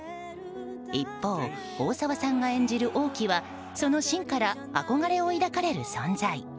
一方、大沢さんが演じる王騎はその信から憧れを抱かれる存在。